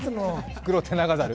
フクロテナガザル。